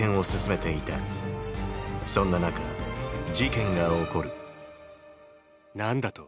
そんな中事件が起こる何だと？